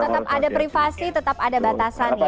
tetap ada privasi tetap ada batasan ya